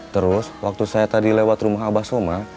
terus waktu saya tadi lewat rumah abah soma